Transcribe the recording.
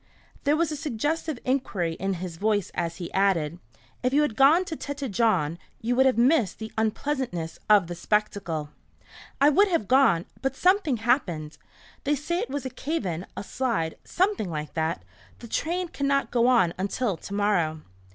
There was a suggestive inquiry in his voice as he added, "If you had gone to Tête Jaune you would have missed the unpleasantness of the spectacle." "I would have gone, but something happened. They say it was a cave in, a slide something like that. The train cannot go on until to morrow."